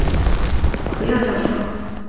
负担家庭照顾的主要角色